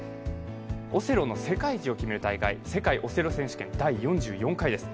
オセロの世界一を決める大会世界オセロ選手権第４４回です。